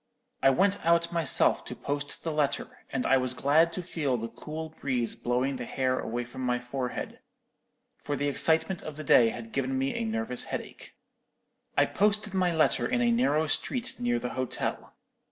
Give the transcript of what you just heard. I went out myself to post the letter, and I was glad to feel the cool breeze blowing the hair away from my forehead, for the excitement of the day had given me a nervous headache. "I posted my letter in a narrow street near the hotel.